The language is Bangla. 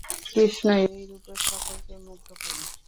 কৃষ্ণ এই রূপে সকলকে মুগ্ধ করেন।